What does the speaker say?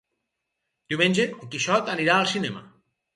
Diumenge en Quixot anirà al cinema.